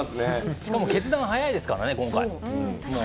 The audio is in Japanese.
しかも決断が早いですから今回。